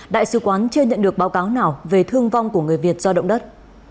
đại sứ quán chưa nhận được báo cáo nào về thương vong của người việt do động đất